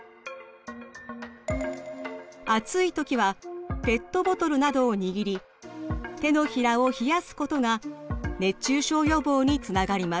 暑い時はペットボトルなどを握り手のひらを冷やすことが熱中症予防につながります。